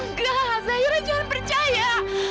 enggak zaira jangan percaya